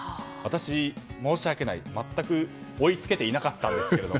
私、申し訳ない全く追いつけていなかったんですが。